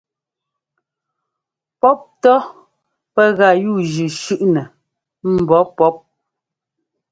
Pɔ́p ntɔ́ pɛ́ gá yúujʉ́ shʉ́ꞌnɛ mbɔ̌ pɔ́p.